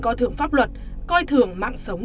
coi thường pháp luật coi thường mạng sống